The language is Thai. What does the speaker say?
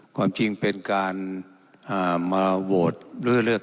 ความจริงเป็นการมาโหวตเลือก